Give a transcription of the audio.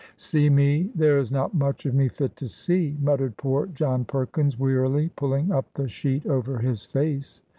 184 MRS. DYMOND. "See me! There is not much of me fit to see," muttered poor John Perkins, wearily, pulling up the sheet over his face.